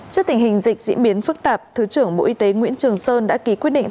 trước tình hình dịch diễn biến phức tạp thứ trưởng bộ y tế nguyễn trường sơn đã ký quyết định